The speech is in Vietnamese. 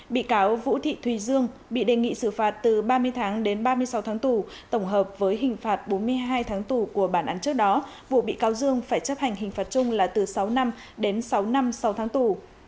bị cáo vũ thị thùy dương bị đề nghị xử phạt từ ba mươi tháng đến ba mươi sáu tháng tù tổng hợp với hình phạt bốn mươi hai tháng tù của bản án trước đó buộc bị cáo dương phải chấp hành hình phạt chung là từ sáu năm đến sáu năm sau tháng tù